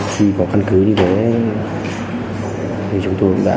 khi có căn cứ như thế thì chúng tôi cũng đã